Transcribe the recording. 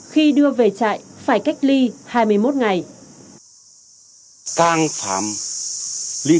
khi đưa về trại phải cách ly hai mươi một ngày